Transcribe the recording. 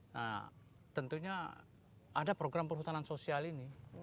nah tentunya ada program perhutanan sosial ini